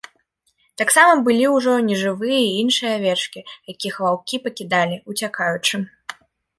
Таксама былі ўжо нежывыя і іншыя авечкі, якіх ваўкі пакідалі, уцякаючы.